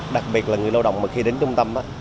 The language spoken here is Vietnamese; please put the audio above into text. đặc biệt là người lao động mà khi đến trung tâm